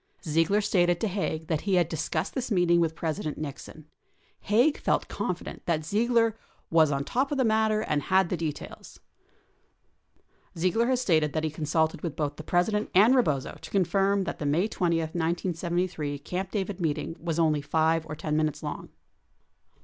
Ziegler stated to Haig that he had discussed this meeting with President Nixon. Haig felt confident that Ziegler "was on top of the matter and had the details." 43 Ziegler has stated that he consulted with both the Presi dent and Rebozo to confirm that the May 20. 1973, Camp David meet ing was only 5 or 10 minutes long.